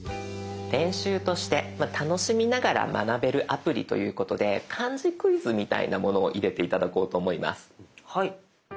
練習として楽しみながら学べるアプリということで漢字クイズみたいなものを入れて頂こうと思います。